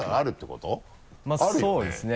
まぁそうですね